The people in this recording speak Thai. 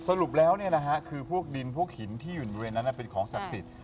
สรุปแล้วคือพวกดินพวกหินที่อยู่ในบริเวณนั้นเป็นของศักดิ์สิทธิ